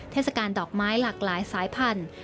เทศกาลดอกไม้หลากหลายสายพันธุ์